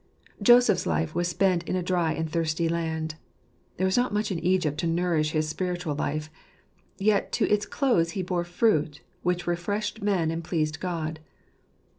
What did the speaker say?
Joseph's life was spent in a dry and thirsty land; there was not much in Egypt to nourish his spiritual life, yet to its close he bore fruit, which refreshed man and pleased God.